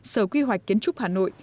sở quy hoạch kiến trúc hà nội